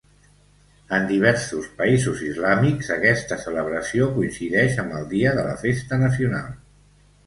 En diversos països islàmics aquesta celebració coincideix amb el dia de la festa nacional.